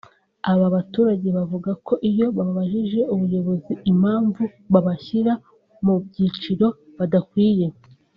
Aba baturage bavuga ko iyo babajije ubuyobozi impamvu babashyira mu byiciro badakwiye